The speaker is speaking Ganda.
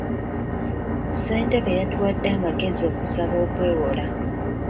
Ssentebe yatuwadde amagezi okusaba okwewola.